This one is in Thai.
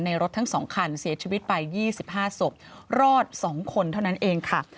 รถทั้ง๒คันเสียชีวิตไป๒๕ศพรอด๒คนเท่านั้นเองค่ะ